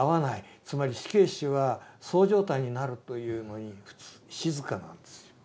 つまり死刑囚は躁状態になるというのに静かなんですよ。